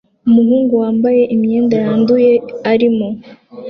Umuhungu wambaye imyenda yanduye arimo